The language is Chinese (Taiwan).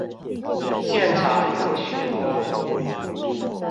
現場有許多